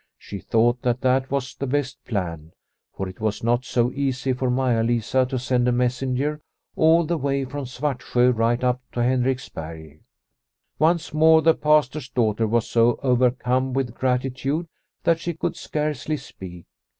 She thought that that was the best plan, for it was not so easy for Mala Lisa to send a mes senger all the way from Svartsjo right up to Henriksberg. Once more the Pastor's daughter was so overcome with gratitude that she could scarcely speak.